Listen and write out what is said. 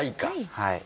はい。